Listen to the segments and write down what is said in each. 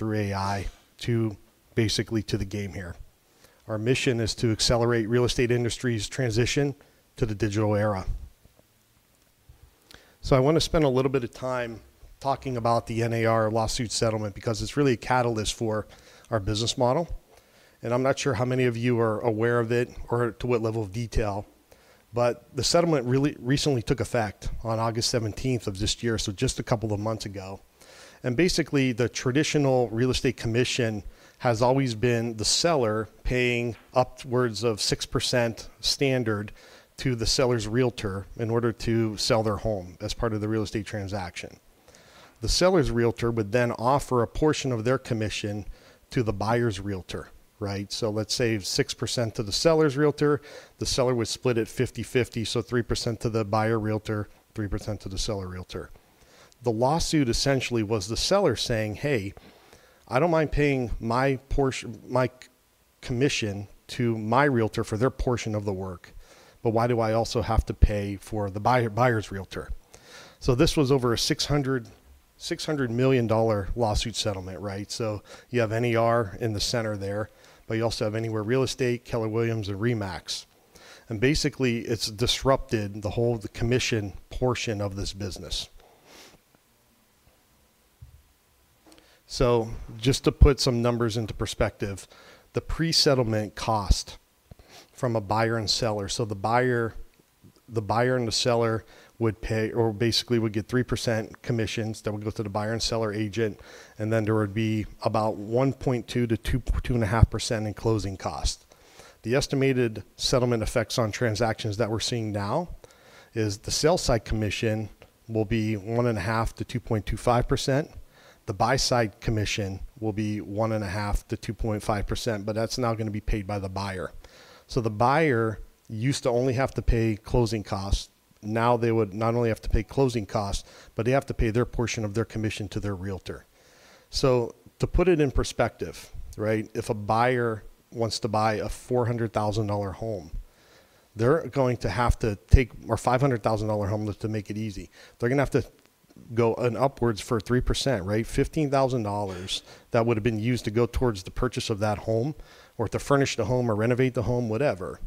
Through AI to basically change the game here. Our mission is to accelerate real estate industry's transition to the digital era, so I want to spend a little bit of time talking about the NAR lawsuit settlement because it's really a catalyst for our business model, and I'm not sure how many of you are aware of it or to what level of detail, but the settlement really recently took effect on August 17th of this year, so just a couple of months ago, and basically, the traditional real estate commission has always been the seller paying upwards of 6% standard to the seller's realtor in order to sell their home as part of the real estate transaction. The seller's realtor would then offer a portion of their commission to the buyer's realtor, right? So let's say 6% to the seller's realtor, the seller would split it 50/50, so 3% to the buyer realtor, 3% to the seller realtor. The lawsuit essentially was the seller saying, "Hey, I don't mind paying my portion, my commission to my realtor for their portion of the work, but why do I also have to pay for the buyer's realtor?" So this was over a $600 million lawsuit settlement, right? So you have NAR in the center there, but you also have Anywhere Real Estate, Keller Williams, and RE/MAX. And basically, it's disrupted the whole commission portion of this business. So just to put some numbers into perspective, the pre-settlement cost from a buyer and seller, so the buyer and the seller would pay, or basically would get 3% commissions that would go to the buyer and seller agent, and then there would be about 1.2%-2.5% in closing cost. The estimated settlement effects on transactions that we're seeing now is the sell-side commission will be 1.5%-2.25%, the buy-side commission will be 1.5%-2.5%, but that's now going to be paid by the buyer. So the buyer used to only have to pay closing costs. Now they would not only have to pay closing costs, but they have to pay their portion of their commission to their realtor. To put it in perspective, right, if a buyer wants to buy a $400,000 home, they're going to have to take a $500,000 home to make it easy. They're going to have to go upwards for 3%, right? $15,000 that would have been used to go towards the purchase of that home, or to furnish the home, or renovate the home, whatever,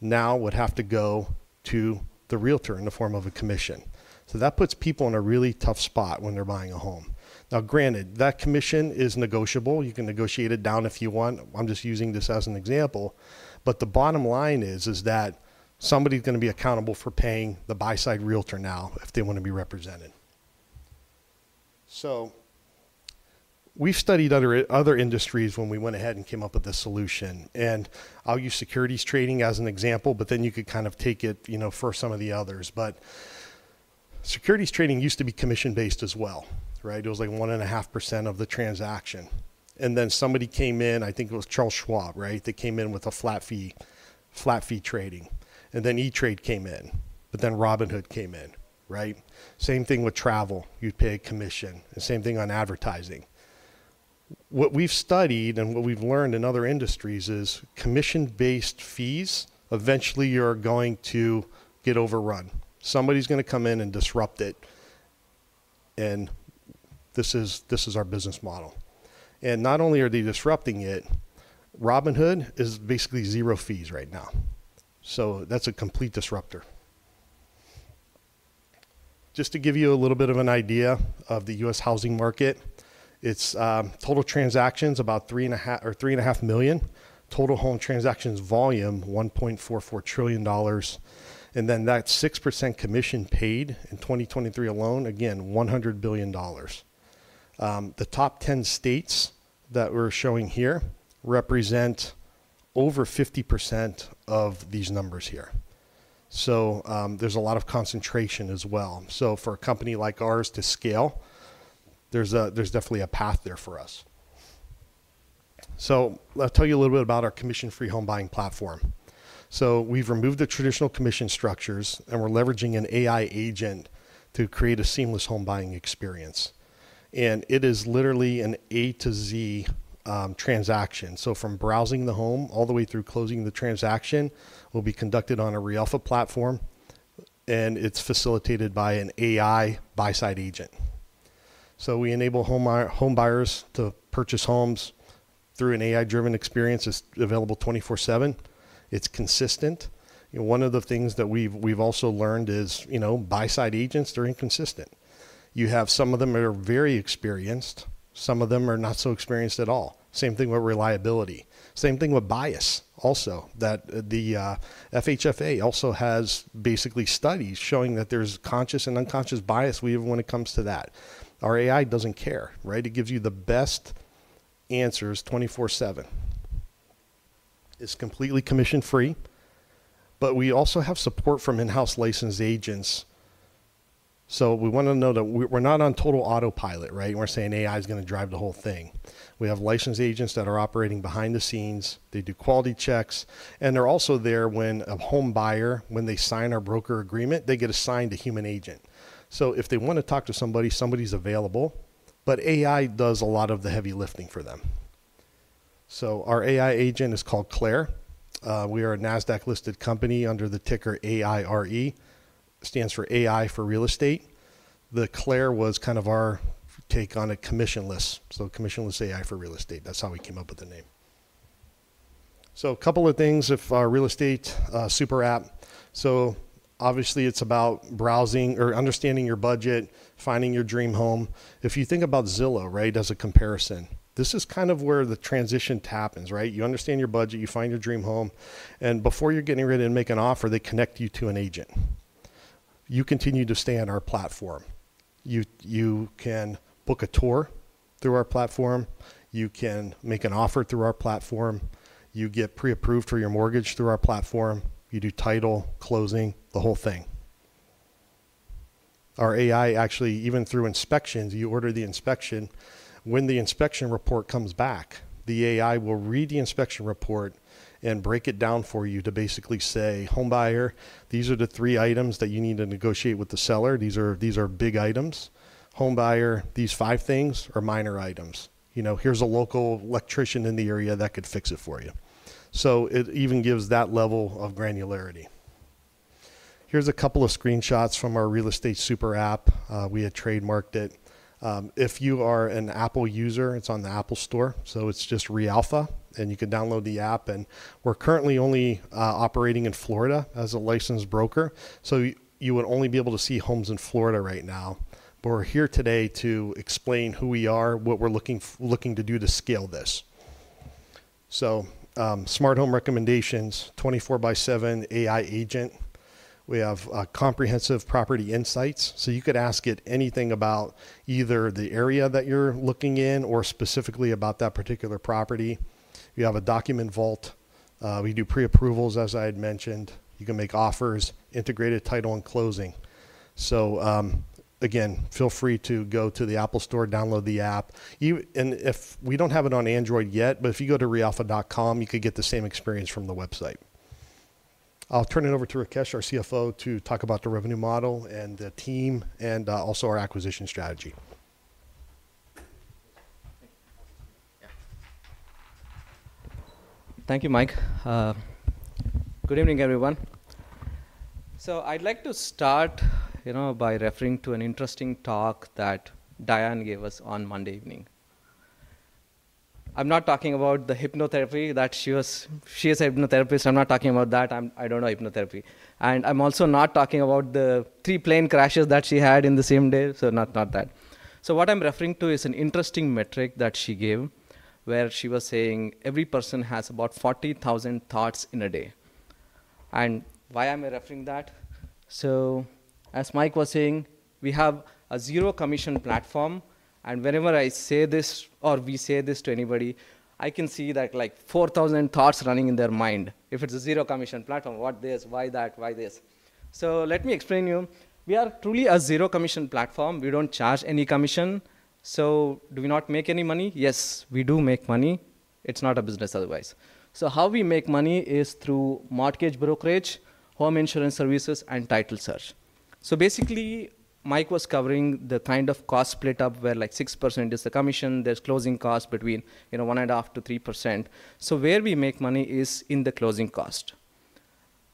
now would have to go to the realtor in the form of a commission. That puts people in a really tough spot when they're buying a home. Now, granted, that commission is negotiable. You can negotiate it down if you want. I'm just using this as an example. But the bottom line is that somebody's going to be accountable for paying the buy-side realtor now if they want to be represented. We've studied other industries when we went ahead and came up with this solution. I'll use securities trading as an example, but then you could kind of take it for some of the others. Securities trading used to be commission-based as well, right? It was like 1.5% of the transaction. Then somebody came in, I think it was Charles Schwab, right? They came in with a flat fee trading. Then E-Trade came in, but then Robinhood came in, right? Same thing with travel. You'd pay a commission. Same thing on advertising. What we've studied and what we've learned in other industries is commission-based fees, eventually you're going to get overrun. Somebody's going to come in and disrupt it. This is our business model. Not only are they disrupting it, Robinhood is basically zero fees right now. That's a complete disruptor. Just to give you a little bit of an idea of the U.S. housing market, total transactions about 3.5 million, total home transactions volume $1.44 trillion, and then that 6% commission paid in 2023 alone, again, $100 billion. The top 10 states that we're showing here represent over 50% of these numbers here, so there's a lot of concentration as well, so for a company like ours to scale, there's definitely a path there for us, so I'll tell you a little bit about our commission-free home buying platform, so we've removed the traditional commission structures, and we're leveraging an AI agent to create a seamless home buying experience, and it is literally an A to Z transaction, so from browsing the home all the way through closing, the transaction will be conducted on a reAlpha platform, and it's facilitated by an AI buy-side agent. So we enable home buyers to purchase homes through an AI-driven experience. It's available 24/7. It's consistent. One of the things that we've also learned is buy-side agents, they're inconsistent. You have some of them that are very experienced. Some of them are not so experienced at all. Same thing with reliability. Same thing with bias also. The FHFA also has basically studies showing that there's conscious and unconscious bias when it comes to that. Our AI doesn't care, right? It gives you the best answers 24/7. It's completely commission-free, but we also have support from in-house licensed agents. So we want to know that we're not on total autopilot, right? We're not saying AI is going to drive the whole thing. We have licensed agents that are operating behind the scenes. They do quality checks. They're also there when a home buyer, when they sign our broker agreement, they get assigned a human agent. If they want to talk to somebody, somebody's available, but AI does a lot of the heavy lifting for them. Our AI agent is called Claire. We are a NASDAQ-listed company under the ticker AIRE. It stands for AI for Real Estate. The Claire was kind of our take on a commissionless, so commissionless AI for Real Estate. That's how we came up with the name. A couple of things of our Real Estate Super App. Obviously, it's about browsing or understanding your budget, finding your dream home. If you think about Zillow, right, as a comparison, this is kind of where the transition happens, right? You understand your budget, you find your dream home, and before you're getting ready to make an offer, they connect you to an agent. You continue to stay on our platform. You can book a tour through our platform. You can make an offer through our platform. You get pre-approved for your mortgage through our platform. You do title, closing, the whole thing. Our AI actually, even through inspections, you order the inspection. When the inspection report comes back, the AI will read the inspection report and break it down for you to basically say, "Home buyer, these are the three items that you need to negotiate with the seller. These are big items. Home buyer, these five things are minor items. Here's a local electrician in the area that could fix it for you." So it even gives that level of granularity. Here's a couple of screenshots from our Real Estate Super App. We had trademarked it. If you are an Apple user, it's on the App Store, so it's just reAlpha, and you can download the app, and we're currently only operating in Florida as a licensed broker, so you would only be able to see homes in Florida right now, but we're here today to explain who we are, what we're looking to do to scale this, so smart home recommendations, 24x7 AI agent. We have comprehensive property insights, so you could ask it anything about either the area that you're looking in or specifically about that particular property. We have a document vault. We do pre-approvals, as I had mentioned. You can make offers, integrated title, and closing, so again, feel free to go to the App Store, download the app. We don't have it on Android yet, but if you go to reAlpha.com, you could get the same experience from the website. I'll turn it over to Rakesh, our CFO, to talk about the revenue model and the team and also our acquisition strategy. Thank you, Mike. Good evening, everyone. So I'd like to start by referring to an interesting talk that Diane gave us on Monday evening. I'm not talking about the hypnotherapy that she is a hypnotherapist. I'm not talking about that. I don't know hypnotherapy. And I'm also not talking about the three plane crashes that she had in the same day, so not that. So what I'm referring to is an interesting metric that she gave where she was saying every person has about 40,000 thoughts in a day. And why am I referring that? So as Mike was saying, we have a zero-commission platform. And whenever I say this or we say this to anybody, I can see that like 4,000 thoughts running in their mind. If it's a zero-commission platform, what this? Why that? Why this? So let me explain to you. We are truly a zero-commission platform. We don't charge any commission. So do we not make any money? Yes, we do make money. It's not a business otherwise. So how we make money is through mortgage brokerage, home insurance services, and title search. So basically, Mike was covering the kind of cost split up where like 6% is the commission. There's closing cost between 1.5%-3%. So where we make money is in the closing cost.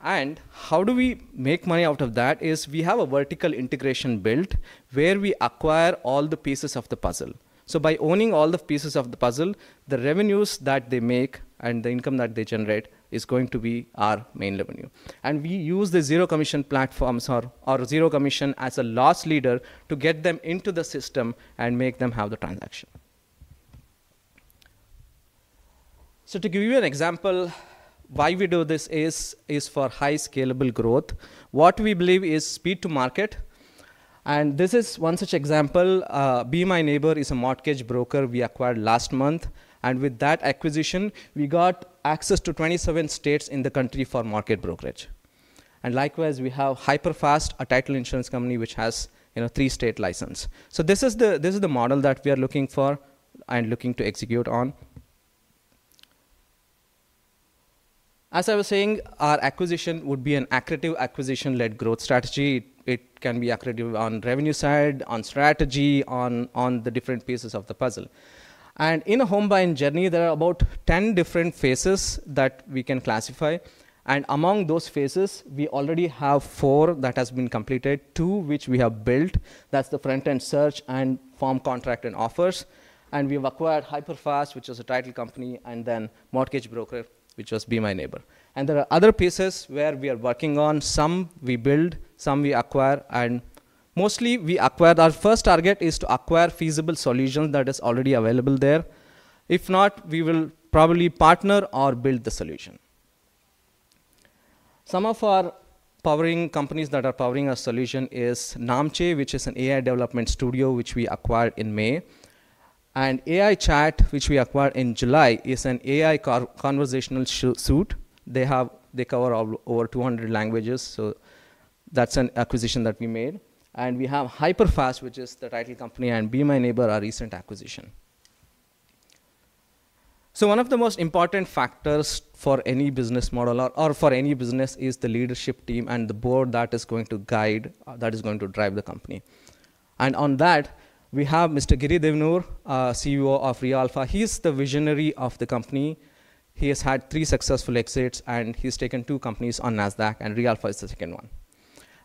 And how do we make money out of that? We have a vertical integration built where we acquire all the pieces of the puzzle. So by owning all the pieces of the puzzle, the revenues that they make and the income that they generate is going to be our main revenue. And we use the zero-commission platforms or zero-commission as a loss leader to get them into the system and make them have the transaction. To give you an example, why we do this is for high scalable growth. What we believe is speed to market. This is one such example. Be My Neighbor is a mortgage broker we acquired last month. With that acquisition, we got access to 27 states in the country for mortgage brokerage. Likewise, we have Hyperfast Title, a title insurance company which has three-state license. This is the model that we are looking for and looking to execute on. As I was saying, our acquisitions would be an accretive acquisition-led growth strategy. It can be accretive on revenue side, on strategy, on the different pieces of the puzzle. In a home buying journey, there are about 10 different phases that we can classify. Among those phases, we already have four that have been completed, two which we have built. That's the front-end search and form contract and offers. We have acquired Hyperfast, which is a title company, and then Mortgage Broker, which was Be My Neighbor. There are other pieces where we are working on. Some we build, some we acquire. Mostly, we acquire. Our first target is to acquire feasible solutions that are already available there. If not, we will probably partner or build the solution. Some of our powering companies that are powering our solution is Naamche, which is an AI development studio which we acquired in May. AiChat, which we acquired in July, is an AI conversational suite. They cover over 200 languages. So that's an acquisition that we made. We have Hyperfast, which is the title company, and Be My Neighbor, our recent acquisition. One of the most important factors for any business model or for any business is the leadership team and the board that is going to guide, that is going to drive the company. And on that, we have Mr. Giri Devanur, CEO of reAlpha. He's the visionary of the company. He has had three successful exits, and he's taken two companies on NASDAQ, and reAlpha is the second one.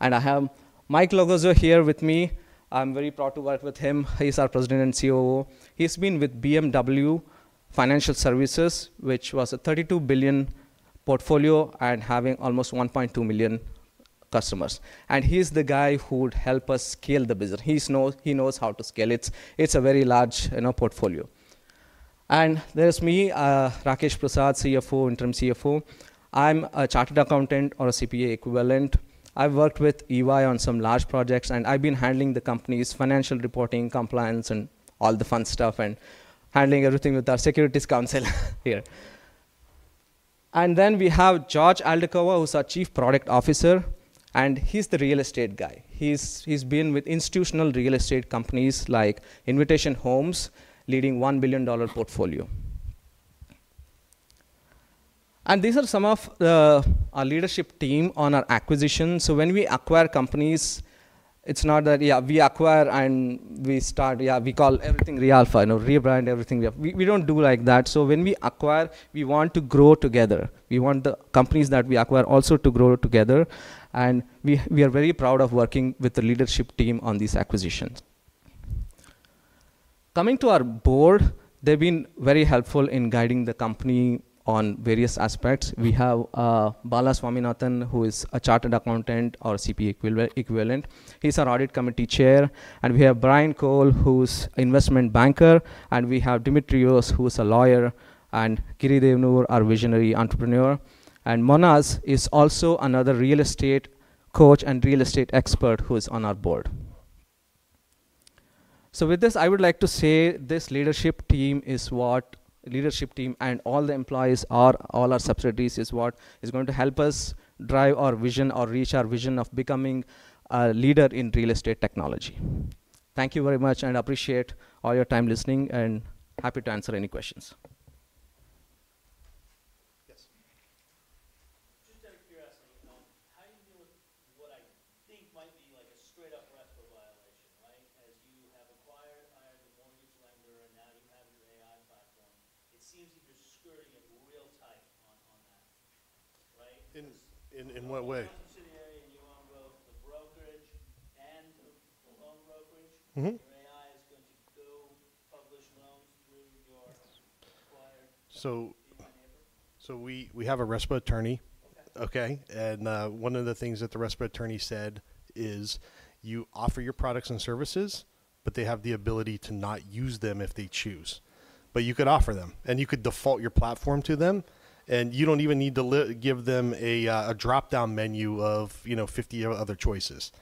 And I have Mike Logozzo here with me. I'm very proud to work with him. He's our president and COO. He's been with BMW Financial Services, which was a $32 billion portfolio and having almost 1.2 million customers. And he's the guy who would help us scale the business. He knows how to scale. It's a very large portfolio. And there's me, Rakesh Prasad, CFO, interim CFO. I'm a chartered accountant or a CPA equivalent. I've worked with EY on some large projects, and I've been handling the company's financial reporting, compliance, and all the fun stuff, and handling everything with our securities counsel here. Then we have Jorge Alcocer, who's our Chief Product Officer, and he's the real estate guy. He's been with institutional real estate companies like Invitation Homes, leading a $1 billion portfolio. These are some of our leadership team on our acquisition. So when we acquire companies, it's not that, yeah, we acquire and we start, yeah, we call everything reAlpha, rebrand everything. We don't do like that. So when we acquire, we want to grow together. We want the companies that we acquire also to grow together. We are very proud of working with the leadership team on these acquisitions. Coming to our board, they've been very helpful in guiding the company on various aspects. We have Bala Swaminathan, who is a chartered accountant or CPA equivalent. He's our audit committee chair. And we have Brian Koehl, who's an investment banker. And we have Dimitrios, who's a lawyer, and Giri Devanur, our visionary entrepreneur. And Manas is also another real estate coach and real estate expert who's on our board. So with this, I would like to say this leadership team is what and all the employees, all our subsidiaries is what is going to help us drive our vision or reach our vision of becoming a leader in real estate technology. Thank you very much, and I appreciate all your time listening, and happy to answer any questions. Just out of curiosity, how do you deal with what I think might be like a straight-up RESPA violation, right? As you have acquired, hired the mortgage lender, and now you have your AI platform, it seems that you're skirting it real tight on that, right? In what way? In the market scenario, you want both the brokerage and the loan brokerage, and your AI is going to go publish loans through your acquired. So we have a RESPA attorney. Okay? And one of the things that the RESPA attorney said is you offer your products and services, but they have the ability to not use them if they choose. But you could offer them, and you could default your platform to them, and you don't even need to give them a drop-down menu of 50 other choices.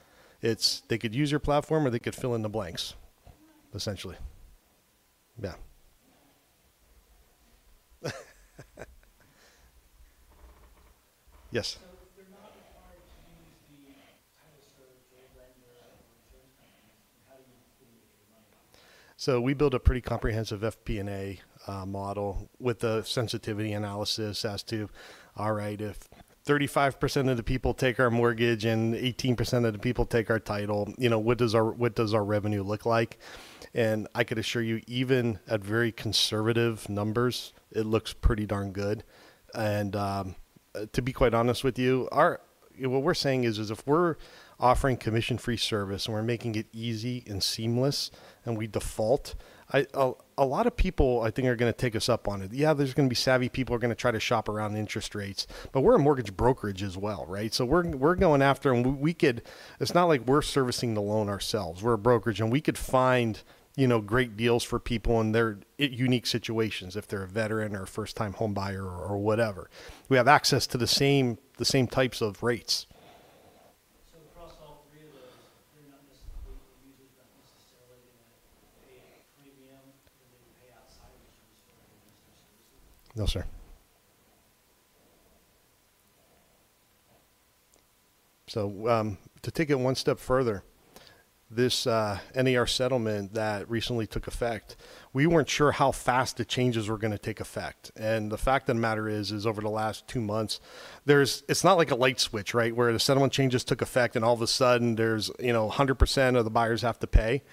They could use your platform, or they could fill in the blanks, essentially. Yeah. Yes. If they're not required to use the title search or lender or insurance companies, how do you fully make your money? So we build a pretty comprehensive FP&A model with the sensitivity analysis as to, all right, if 35% of the people take our mortgage and 18% of the people take our title, what does our revenue look like? And I could assure you, even at very conservative numbers, it looks pretty darn good. And to be quite honest with you, what we're saying is if we're offering commission-free service and we're making it easy and seamless and we default, a lot of people, I think, are going to take us up on it. Yeah, there's going to be savvy people who are going to try to shop around interest rates, but we're a mortgage brokerage as well, right? So we're going after, and we could, it's not like we're servicing the loan ourselves. We're a brokerage, and we could find great deals for people in their unique situations if they're a veteran or a first-time home buyer or whatever. We have access to the same types of rates. So across all three of those, your users not necessarily going to pay a premium because they can pay outside of insurance for their insurance services? No, sir, so to take it one step further, this NAR settlement that recently took effect, we weren't sure how fast the changes were going to take effect. And the fact of the matter is, over the last two months, it's not like a light switch, right, where the settlement changes took effect and all of a sudden 100% of the buyers have to pay.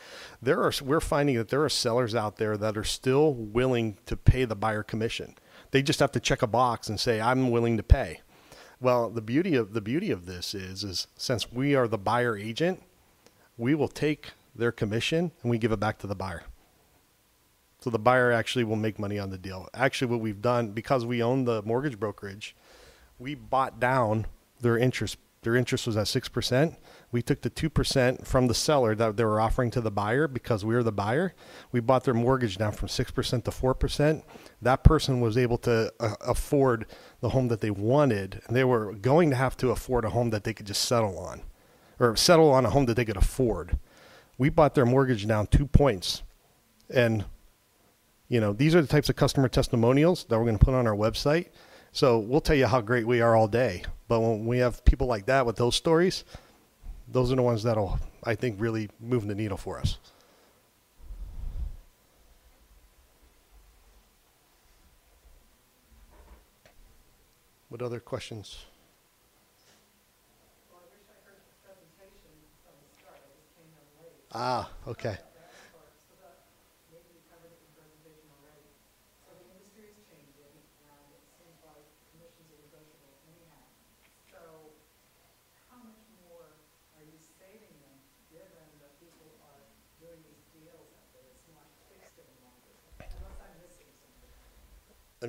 We're finding that there are sellers out there that are still willing to pay the buyer commission. They just have to check a box and say, "I'm willing to pay." The beauty of this is, since we are the buyer agent, we will take their commission and we give it back to the buyer. So the buyer actually will make money on the deal. Actually, what we've done, because we own the mortgage brokerage, we bought down their interest. Their interest was at 6%. We took the 2% from the seller that they were offering to the buyer because we were the buyer. We bought their mortgage down from 6% to 4%. That person was able to afford the home that they wanted. They were going to have to afford a home that they could just settle on or settle on a home that they could afford. We bought their mortgage down two points. And these are the types of customer testimonials that we're going to put on our website. So we'll tell you how great we are all day. But when we have people like that with those stories, those are the ones that'll, I think, really move the needle for us. What other questions? I wish I heard the presentation from the start. I just came in late. okay. So that maybe we covered it in the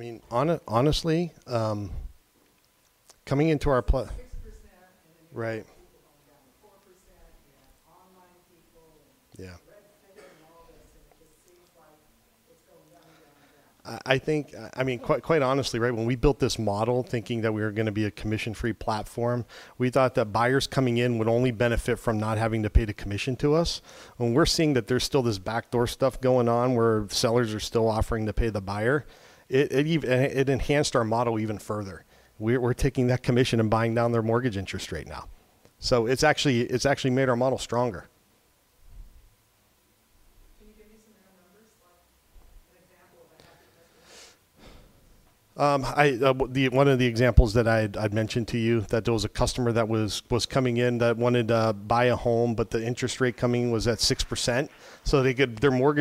presentation already. So the industry is changing, and it seems like commissions are negotiable anyhow. So how much more are you saving them given that people are doing these deals out there? It's not fixed any longer. Unless I'm missing something. I mean, honestly, coming into our. 6%, and then you have people going down to 4%, and you have online people, and Redfin, and all this, and it just seems like it's going down, down, down. I think, I mean, quite honestly, right, when we built this model thinking that we were going to be a commission-free platform, we thought that buyers coming in would only benefit from not having to pay the commission to us. When we're seeing that there's still this backdoor stuff going on where sellers are still offering to pay the buyer, it enhanced our model even further. We're taking that commission and buying down their mortgage interest rate now, so it's actually made our model stronger. Can you give me some real numbers, like an example of a happy customer? One of the examples that I'd mentioned to you, that there was a customer that was coming in that wanted to buy a home, but the interest rate coming in was at 6%. So they could,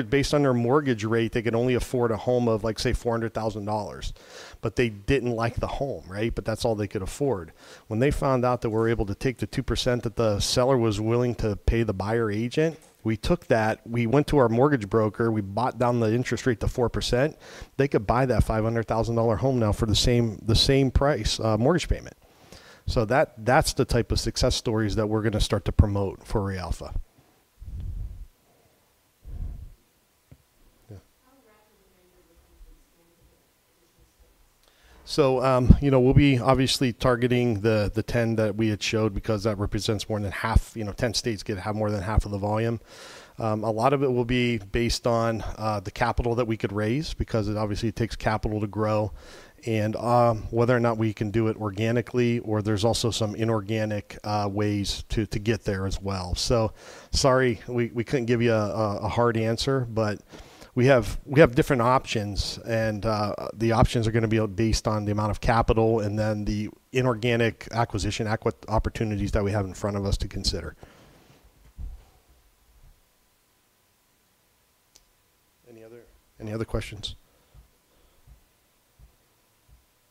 based on their mortgage rate, they could only afford a home of, like, say, $400,000. But they didn't like the home, right? But that's all they could afford. When they found out that we were able to take the 2% that the seller was willing to pay the buyer agent, we took that. We went to our mortgage broker. We bought down the interest rate to 4%. They could buy that $500,000 home now for the same price mortgage payment. So that's the type of success stories that we're going to start to promote for reAlpha. How rapidly are you looking to expand to the additional states? So we'll be obviously targeting the 10 that we had showed because that represents more than half. 10 states could have more than half of the volume. A lot of it will be based on the capital that we could raise because it obviously takes capital to grow and whether or not we can do it organically, or there's also some inorganic ways to get there as well. So sorry, we couldn't give you a hard answer, but we have different options, and the options are going to be based on the amount of capital and then the inorganic acquisition opportunities that we have in front of us to consider. Any other questions?